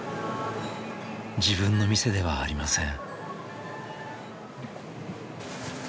自分の店ではありません。